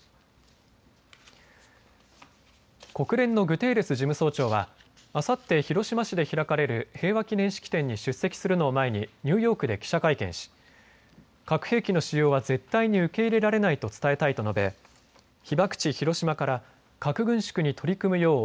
国連のグテーレス事務総長はあさって広島市で開かれる平和記念式典に出席するのを前にニューヨークで記者会見し核兵器の使用は絶対に受け入れられないと伝えたいと述べ、被爆地広島から核軍縮に取り組むよう